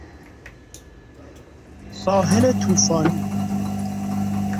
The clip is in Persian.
ساحل توفانی